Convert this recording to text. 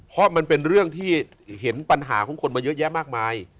เพราะมันเป็นเรื่องที่เห็นปัญหาของคนมาเยอะแยะมากมาย